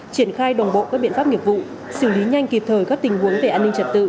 triển khai đồng bộ các biện pháp nghiệp vụ xử lý nhanh kịp thời các tình huống về an ninh trật tự